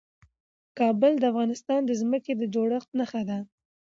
کابل د افغانستان د ځمکې د جوړښت نښه ده.